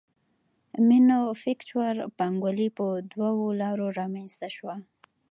مینوفکچور پانګوالي په دوو لارو رامنځته شوه